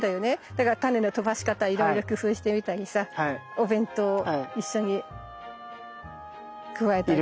だからタネの飛ばし方いろいろ工夫してみたりさお弁当一緒に加えたりとかね。